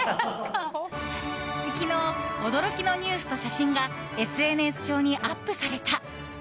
昨日、驚きのニュースと写真がＳＮＳ上にアップされた。